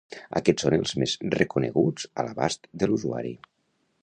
Aquest són els més reconeguts a l'abast de l'usuari.